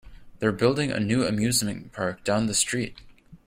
They're building a new amusement park down the street.